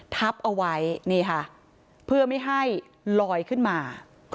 ทับเอาไว้เพื่อไม่ให้ลอยขึ้นมา